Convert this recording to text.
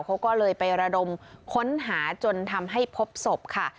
เขาก็เลยไประดมค้นหาจนทำให้พบศพค่ะ